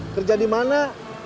kerja di mana